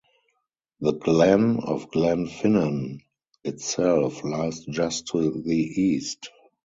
The glen of Glen Finnan itself lies just to the east.